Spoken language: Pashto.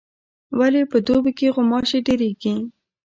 ولي په دوبي کي غوماشي ډیریږي؟